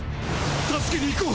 助けに行こう